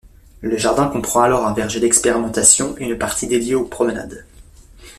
Le jardin comprend alors un verger d'expérimentation et une partie dédiée aux promenades.